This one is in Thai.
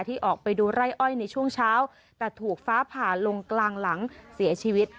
ที่ออกไปดูไร่อ้อยในช่วงเช้าแต่ถูกฟ้าผ่าลงกลางหลังเสียชีวิต